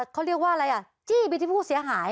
เขาเรียกว่าอะไรอ่ะจี้ไปที่ผู้เสียหาย